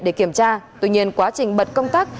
để kiểm tra tuy nhiên quá trình bật công tác